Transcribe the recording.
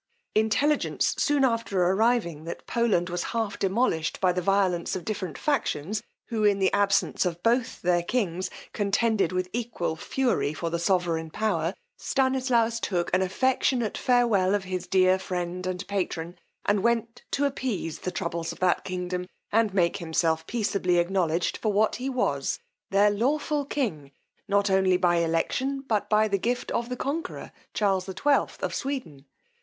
Intelligence soon after arriving that Poland was half demolished by the violence of different factions, who, in the absence of both their kings, contended with equal fury for the sovereign power, Stanislaus took an affectionate farewell of his dear friend and patron, and went to appease the troubles of that kingdom, and make himself peaceably acknowledged for what he was, their lawful king, not only by election, but by the gift of the conqueror, Charles XII. of Sweden.